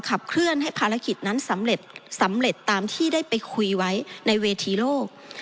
การคิดนั้นสำเร็จตามที่ได้ไปคุยไว้ในเวทีโลก